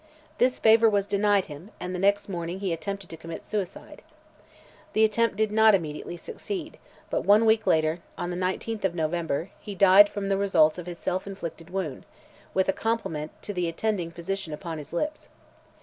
This favour was denied him, and the next morning he attempted to commit suicide. The attempt did not immediately succeed; but one week later—on the 19th of November—he died from the results of his self inflicted wound, with a compliment to the attendant physician upon his lips.